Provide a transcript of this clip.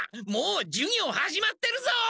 もう授業始まってるぞ！